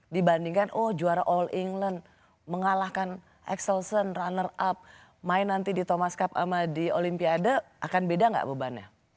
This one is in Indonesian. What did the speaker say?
dibandingkan oh juara all england mengalahkan excelson runner up main nanti di thomas cup sama di olimpiade akan beda nggak bebannya